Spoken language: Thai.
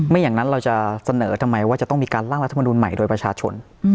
อย่างนั้นเราจะเสนอทำไมว่าจะต้องมีการล่างรัฐมนุนใหม่โดยประชาชน